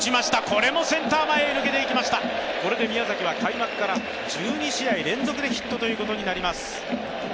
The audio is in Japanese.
これで宮崎は開幕から１２試合連続でヒットということになります。